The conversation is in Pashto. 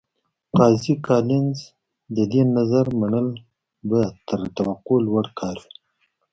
قاضي کالینز د دې نظر منل به تر توقع لوړ کار وي.